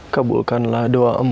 kaburkanlah doa emah